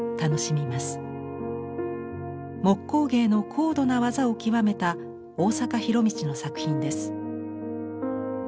木工芸の高度な技を極めた大坂弘道の作品です。